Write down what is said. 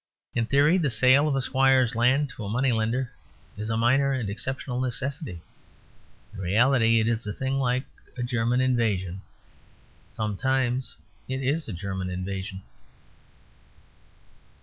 In theory the sale of a squire's land to a moneylender is a minor and exceptional necessity. In reality it is a thing like a German invasion. Sometimes it is a German invasion.